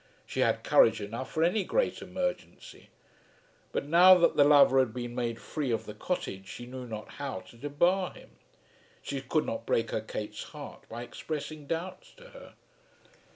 She had courage enough for any great emergency. But now that the lover had been made free of the cottage she knew not how to debar him. She could not break her Kate's heart by expressing doubts to her.